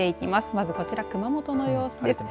まず、こちら熊本の様子です。